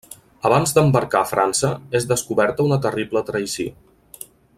Abans d'embarcar a França és descoberta una terrible traïció.